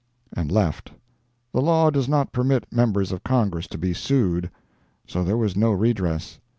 "—and left. The law does not permit members of Congress to be sued. So there was no redress.